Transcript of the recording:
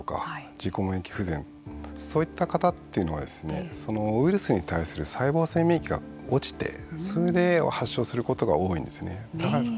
自己免疫不全そういった方というのはウイルスに対する細胞性免疫が落ちてそれで発症することが多いんですね。